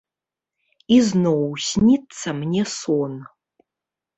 І зноў сніцца мне сон.